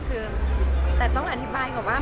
คือแต่ต้องอธิบายก่อนว่า